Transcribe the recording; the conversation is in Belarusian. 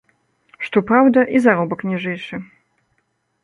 Што праўда, і заробак ніжэйшы.